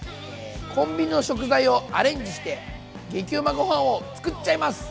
コンビニの食材をアレンジして激うまご飯を作っちゃいます！